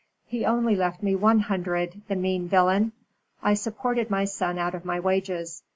He only left me one hundred, the mean villain! I supported my son out of my wages.